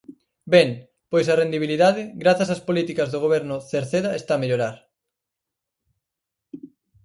Ben, pois a rendibilidade, grazas ás políticas do Goberno Cerceda, está a mellorar.